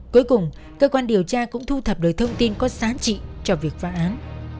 cuối cùng cơ quan điều tra cũng thu thập được thông tin có giá trị cho việc phá án